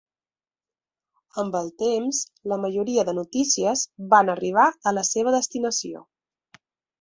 Amb el temps, la majoria de notícies van arribar a la seva destinació.